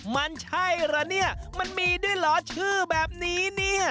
มันใช่เหรอมันมีด้วยเหรอชื่อแบบนี้